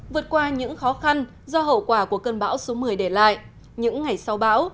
vượt qua những khó khăn do hậu quả của cơn bão số một mươi để lại những ngày sau bão